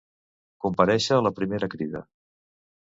Comparèixer a la primera crida.